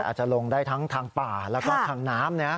อาจจะลงได้ทั้งทางป่าแล้วก็ทางน้ำ